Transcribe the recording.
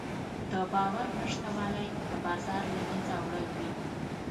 د باور نشتوالی د بازار له منځه وړل دي.